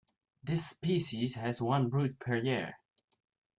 This species has one brood per year.